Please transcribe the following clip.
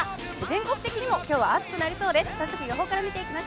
全国的にも今日は暑くなりそうです。